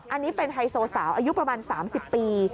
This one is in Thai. อันนี้เป็นไฮโซสาวอายุประมาณ๓๐ปี